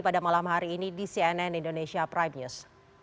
pada malam hari ini di cnn indonesia prime news